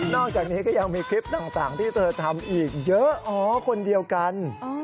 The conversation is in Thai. อกจากนี้ก็ยังมีคลิปต่างที่เธอทำอีกเยอะอ๋อคนเดียวกัน